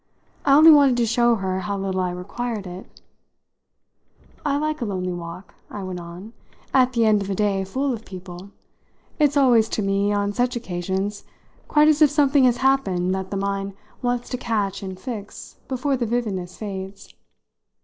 I only wanted to show her how little I required it. "I like a lonely walk," I went on, "at the end of a day full of people: it's always, to me, on such occasions, quite as if something has happened that the mind wants to catch and fix before the vividness fades.